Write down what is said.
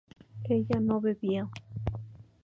¿ella no bebió?